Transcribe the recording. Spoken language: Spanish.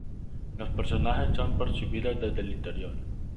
Los personajes son percibidos desde el interior.